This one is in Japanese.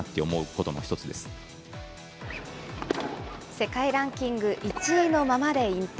世界ランキング１位のままで引退。